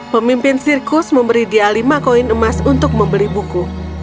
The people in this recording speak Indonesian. pemimpin sirkus memberi dia lima koin emas untuk membeli buku